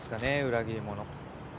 裏切り者。